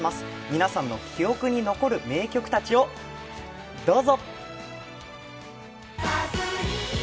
皆さんの記憶に残る名曲たちをどうぞ。